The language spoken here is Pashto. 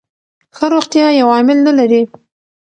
ښه روغتیا یو عامل نه لري.